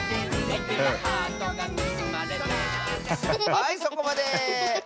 はいそこまで！